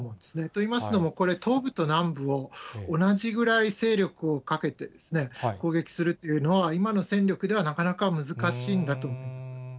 といいますのも、これ、東部と南部を同じぐらい勢力をかけて攻撃するというのは、今の戦力ではなかなか難しいんだと思います。